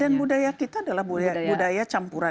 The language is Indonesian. dan budaya kita adalah budaya campuran